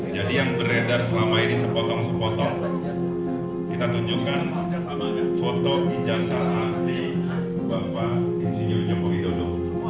jadi yang beredar selama ini sepotong sepotong kita tunjukkan foto ijasa asli bapak insinyur jombogidodo